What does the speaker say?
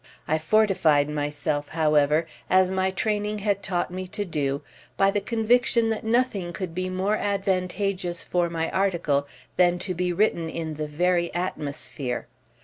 I fortified myself, however, as my training had taught me to do, by the conviction that nothing could be more advantageous for my article than to be written in the very atmosphere.